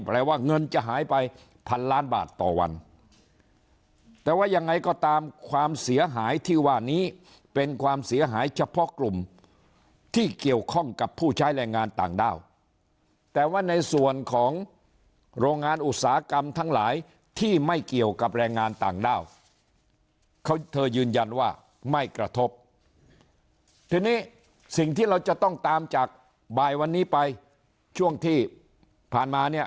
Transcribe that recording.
ว่าเงินจะหายไปพันล้านบาทต่อวันแต่ว่ายังไงก็ตามความเสียหายที่ว่านี้เป็นความเสียหายเฉพาะกลุ่มที่เกี่ยวข้องกับผู้ใช้แรงงานต่างด้าวแต่ว่าในส่วนของโรงงานอุตสาหกรรมทั้งหลายที่ไม่เกี่ยวกับแรงงานต่างด้าวเขาเธอยืนยันว่าไม่กระทบทีนี้สิ่งที่เราจะต้องตามจากบ่ายวันนี้ไปช่วงที่ผ่านมาเนี่ย